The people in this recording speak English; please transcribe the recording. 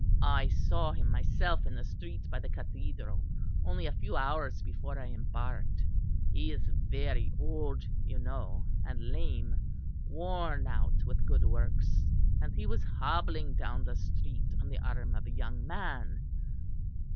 I saw him myself in the street by the Cathedral only a few hours before I embarked. He is very old, you know, and lame, worn out with good works, and he was hobbling down the street on the arm of a young man.